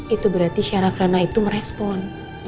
itu berarti syaraf ranah itu merespon